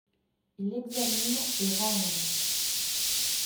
Il examine et range.